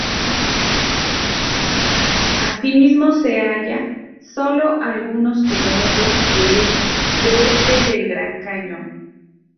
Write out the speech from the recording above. Asimismo se halla, solo algunos kilómetros, al este del Gran Cañón.